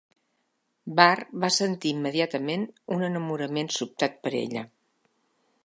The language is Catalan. Bart va sentir immediatament un enamorament sobtat per ella.